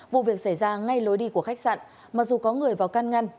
vụ việc xảy ra ngay lối đi của khách sạn mặc dù có người vào can ngăn